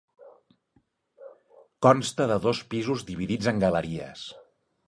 Consta de dos pisos dividits en galeries.